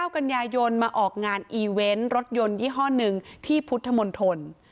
กันยายนมาออกงานอีเวนต์รถยนต์ยี่ห้อหนึ่งที่พุทธมนตร